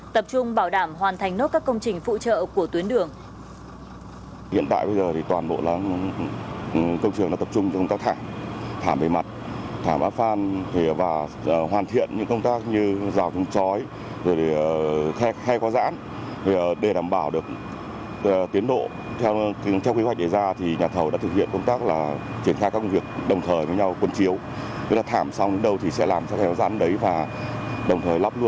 tập trung bảo đảm hoàn thành nốt các công trình phụ trợ của tuyến đường